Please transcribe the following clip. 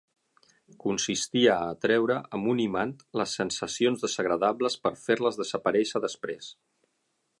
Consistia a atraure amb un imant les sensacions desagradables per fer-les desaparèixer després.